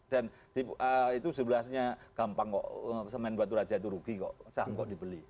dan itu sebelahnya gampang kok semen batu raja itu rugi kok saham kok dibeli